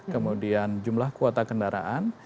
kemudian jumlah kuota kendaraan